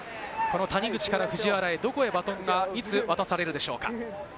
谷口から藤原へどこへバトンがいつ渡されるでしょうか？